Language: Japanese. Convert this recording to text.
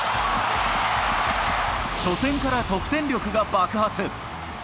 初戦から得点力が爆発。